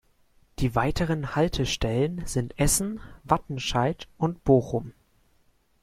Die weiteren Haltestellen sind Essen, Wattenscheid und Bochum.